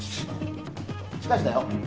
しかしだよ